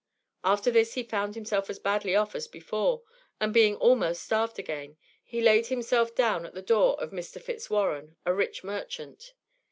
After this he found himself as badly off as before; and being almost starved again, he laid himself down at the door of Mr. Fitzwarren, a rich merchant.